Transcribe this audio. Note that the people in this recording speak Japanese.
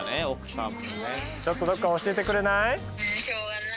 ちょっとどこか教えてくれない？